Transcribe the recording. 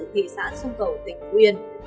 thị xã sông cầu tỉnh quyền